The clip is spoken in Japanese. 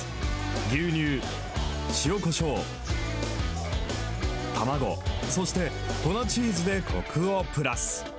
牛乳、塩こしょう、卵、そして粉チーズでこくをプラス。